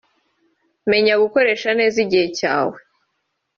Menya gukoresha neza igihe cyawe